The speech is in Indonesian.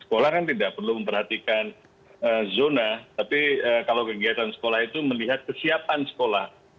sekolah kan tidak perlu memperhatikan zona tapi kalau kegiatan sekolah itu melihat kesiapan sekolah